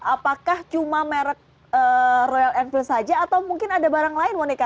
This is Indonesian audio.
apakah cuma merek royal enfield saja atau mungkin ada barang lain monika